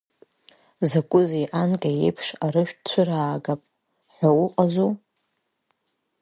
Закузеи, анкьа еиԥш арыжәтә цәыраагап ҳәа уҟазу!